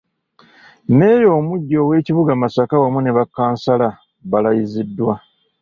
Mmeeya omuggya ow’ekibuga Masaka wamu ne bakkansala balayiziddwa.